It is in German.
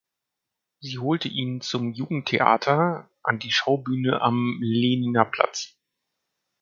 Sie holte ihn zum Jugendtheater an die Schaubühne am Lehniner Platz.